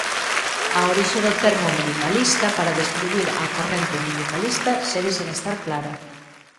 A orixe do termo «minimalista» para describir á corrente minimalista segue sen estar clara.